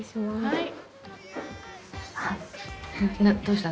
はい。